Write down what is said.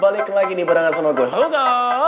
balik lagi nih berangkat sama gue hugo